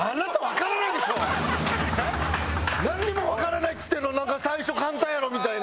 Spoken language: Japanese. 「なんにもわからない」っつってるのになんか「最初簡単やろ」みたいな。